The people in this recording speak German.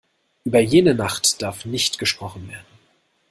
Über jene Nacht darf nicht gesprochen werden.